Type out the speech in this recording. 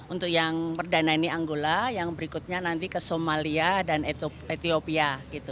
untuk yang perdana ini anggola yang berikutnya nanti ke somalia dan ethiopia